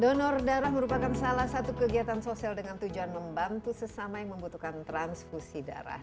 donor darah merupakan salah satu kegiatan sosial dengan tujuan membantu sesama yang membutuhkan transfusi darah